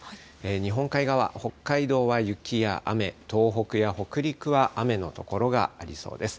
日本海側、北海道は雪や雨、東北や北陸は雨の所がありそうです。